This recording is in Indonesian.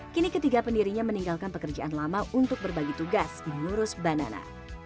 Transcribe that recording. kini ketiga pendirinya meninggalkan pekerjaan lama untuk berbagi tugas di ngurus banana